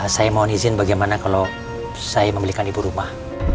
saya mohon izin bagaimana kalau saya memilihkan ibu rumah